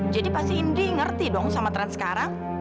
jadi pasti indi ngerti dong sama tren sekarang